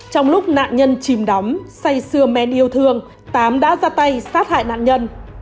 trong lúc nạn nhân chìm đóng say sưa men yêu thương tám đã ra tay sát hại nạn nhân